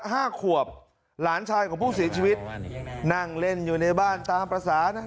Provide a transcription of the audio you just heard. ห้าขวบหลานชายของผู้เสียชีวิตนั่งเล่นอยู่ในบ้านตามภาษานะ